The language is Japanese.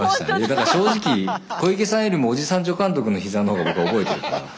だから正直小池さんよりもおじさん助監督の膝の方が僕は覚えてるかな。